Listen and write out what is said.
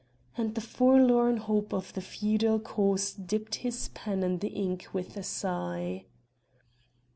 and the forlorn hope of the feudal cause dipped his pen in the ink with a sigh.